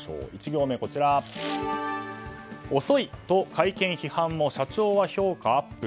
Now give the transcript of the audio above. １行目遅いと会見批判も社長は評価アップ。